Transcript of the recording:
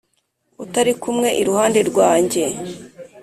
utari kumwe iruhande rwanjye